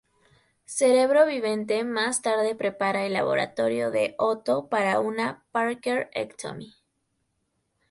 Cerebro Viviente más tarde prepara el laboratorio de Otto para una "Parker-Ectomy".